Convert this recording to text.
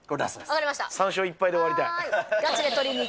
３勝１敗で終わりたい。